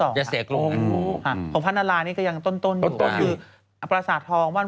เป็นเรื่องจริงมั้ย